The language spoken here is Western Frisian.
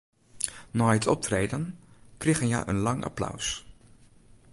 Nei it optreden krigen hja in lang applaus.